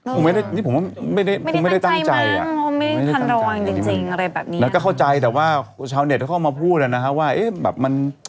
ผมไม่ได้ตั้งใจผมเป็นชาวเน็ตแต่เข้ามาพูดแล้วนะครับว่า